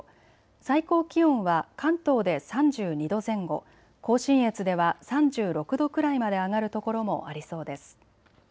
最高気温は関東で３２度前後、甲信越では３６度くらいまで上がるところもありそうです。